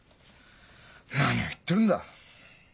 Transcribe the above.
何を言ってるんだ。